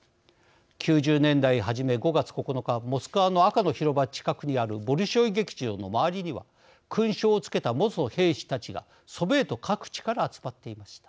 ９０年代初め５月９日モスクワの赤の広場近くにあるボリショイ劇場の周りには勲章を付けた元兵士たちがソビエト各地から集まっていました。